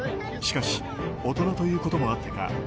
しかし大人ということもあってか